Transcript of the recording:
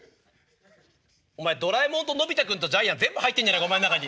お前ドラえもんとのび太君とジャイアン全部入ってんじゃねえかお前ん中に。